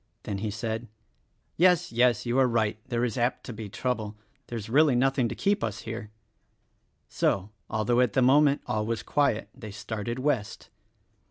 Then he said, "Yes, yes, you are right — there is apt to be trouble. There is really nothing to keep us here." So, although at the moment all was quiet, they started West.